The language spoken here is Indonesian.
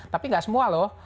tapi tidak semua loh